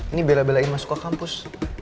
ini bela belain masuk ke kampus